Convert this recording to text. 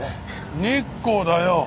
日光だよ。